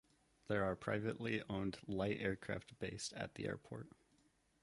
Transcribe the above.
There are privately owned light aircraft based at the airport.